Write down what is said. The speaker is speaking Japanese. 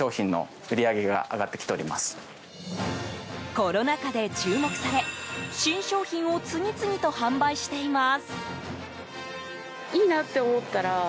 コロナ禍で注目され新商品を次々と販売しています。